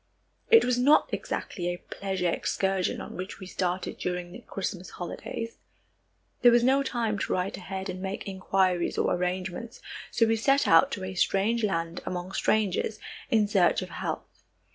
It was not exactly a pleasure excursion on which we started during the Christmas holidays. There was no time to write ahead and make inquiries or arrangements, so we set out to a strange land among strangers, in search of health.